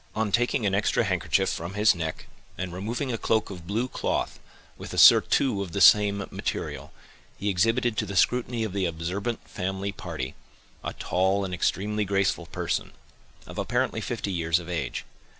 On taking an extra handkerchief from his neck, and removing a cloak of blue cloth, with a surtout of the same material, he exhibited to the scrutiny of the observant family party, a tall and extremely graceful person, of apparently fifty years of age.